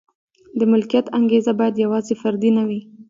د ملکیت انګېزه باید یوازې فردي نه وي.